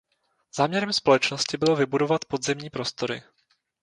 Záměrem společnosti bylo vybudovat podzemní prostory.